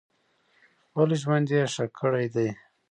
خپل ژوند یې ښه کړی دی.